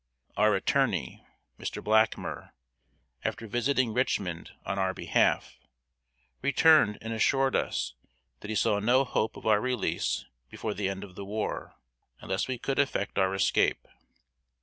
Our attorney, Mr. Blackmer, after visiting Richmond on our behalf, returned and assured us that he saw no hope of our release before the end of the war, unless we could effect our escape.